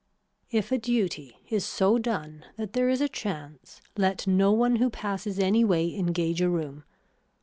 If a duty is so done that there is a chance let no one who passes any way engage a room.